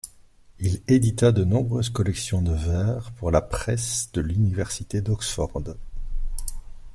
Il édita de nombreuses collections de vers pour la Presse de l'Université d'Oxford.